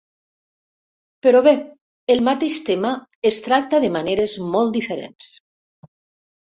Però bé, el mateix tema es tracta de maneres molt diferents.